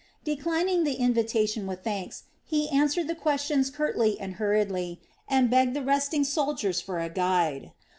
Declining the invitation with thanks, he answered the questions curtly and hurriedly and begged the resting soldiers for a guide.